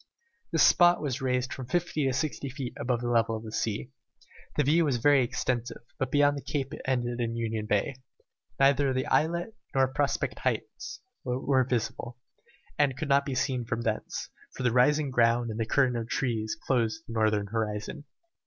This spot was raised from fifty to sixty feet above the level of the sea. The view was very extensive, but beyond the cape it ended in Union Bay. Neither the islet nor Prospect Heights were visible, and could not be from thence, for the rising ground and the curtain of trees closed the northern horizon.